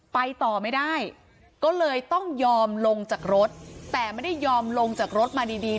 ไปต่อไม่ได้ก็เลยต้องยอมลงจากรถแต่ไม่ได้ยอมลงจากรถมาดีดี